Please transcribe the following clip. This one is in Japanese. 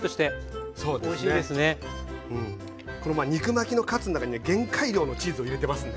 この肉巻きのカツの中にね限界量のチーズを入れてますんでね。